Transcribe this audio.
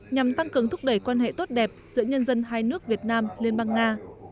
nhằm tăng cường thúc đẩy quan hệ tốt đẹp giữa nhân dân hai nước việt nam liên bang nga